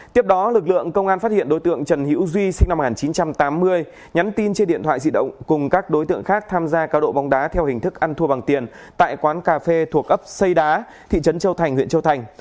tiếp đó lực lượng công an phát hiện đối tượng trần hữu duy sinh năm một nghìn chín trăm tám mươi nhắn tin trên điện thoại di động cùng các đối tượng khác tham gia cao độ bóng đá theo hình thức ăn thua bằng tiền tại quán cà phê thuộc ấp xây đá thị trấn châu thành huyện châu thành